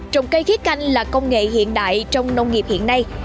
trồng cây khí canh là công nghệ hiện đại trong nông nghiệp hiện nay